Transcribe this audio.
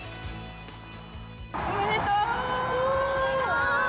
おめでとう！